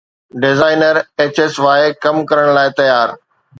designer HS Y ڪم ڪرڻ لاءِ تيار